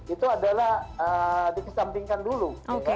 itu adalah dikesampingkan dulu